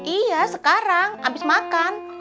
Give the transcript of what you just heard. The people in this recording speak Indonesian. iya sekarang abis makan